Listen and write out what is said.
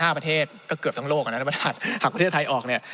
อีก๑๘๕ประเทศก็เกือบทั้งโลกถ้าประเทศไทยออก